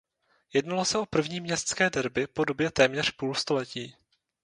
Jednalo se o první městské derby po době téměř půlstoletí.